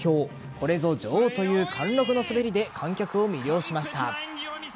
これぞ女王という貫禄の滑りで観客を魅了しました。